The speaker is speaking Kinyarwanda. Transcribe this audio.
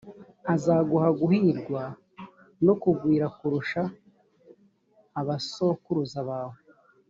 azaguha guhirwa no kugwira kurusha abasokuruza bawe.